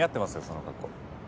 その格好。